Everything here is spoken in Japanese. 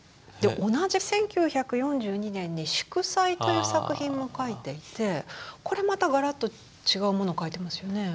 同じ１９４２年に「祝祭」という作品も描いていてこれまたガラッと違うものを描いていますよね。